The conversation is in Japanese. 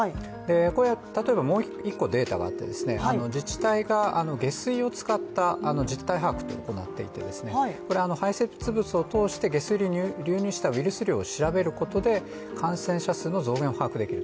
これは例えばもう一個データがあって自治体が下水を使った実態把握というのを行っていて排せつ物を通して下水に流入したウイルス量を調べることで、感染者数の増減を把握できる。